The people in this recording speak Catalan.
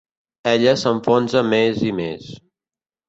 Ella s'enfonsa més i més.